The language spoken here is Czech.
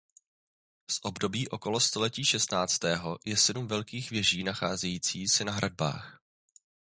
Z období okolo století šestnáctého je sedm velkých věží nacházející se na hradbách.